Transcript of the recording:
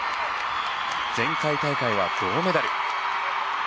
前回大会は銅メダル。